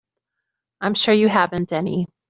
I'm sure you haven't any.